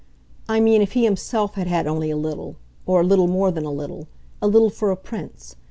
"I mean if he himself had had only a little or a little more than a little, a little for a prince.